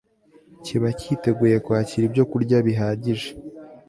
kiba cyiteguye kwakira ibyokurya bihagije